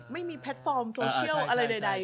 ไม่มีแพลตฟอร์มโซเชียลอะไรใด